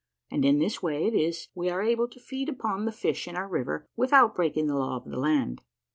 And in this way it is we are enabled to feed upon the fish in our river, with out breaking the law of the land."